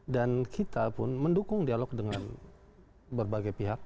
dan kita pun mendukung dialog dengan berbagai pihak